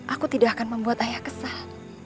aku tidak akan membuat ayah kesal